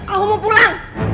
aku mau pulang